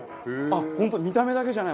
本当見た目だけじゃない。